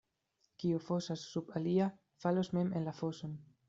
Kiu fosas sub alia, falos mem en la foson.